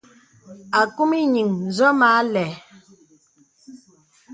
Akūm ìyìŋ ǹsɔ̀ mə àlɛ̂.